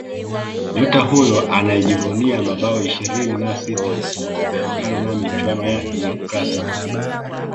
Nyota huyo anayejivunia mabao ishirini na sita kutokana na michuano ya El Clasico